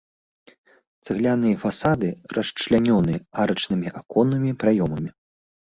Цагляныя фасады расчлянёны арачнымі аконнымі праёмамі.